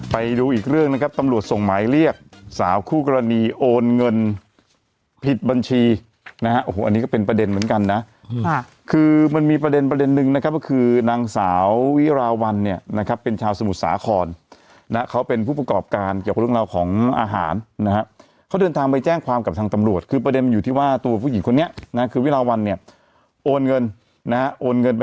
ไปดูอีกเรื่องนะครับตำรวจส่งหมายเรียกสาวคู่กรณีโอนเงินผิดบัญชีนะฮะโอ้โหอันนี้ก็เป็นประเด็นเหมือนกันนะคือมันมีประเด็นประเด็นนึงนะครับก็คือนางสาววิราวันเนี่ยนะครับเป็นชาวสมุทรสาครนะเขาเป็นผู้ประกอบการเกี่ยวกับเรื่องราวของอาหารนะฮะเขาเดินทางไปแจ้งความกับทางตำรวจคือประเด็นอยู่ที่ว่าตัวผู้หญิงคนนี้นะคือวิราวันเนี่ยโอนเงินนะฮะโอนเงินไป